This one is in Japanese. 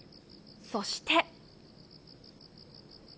そして。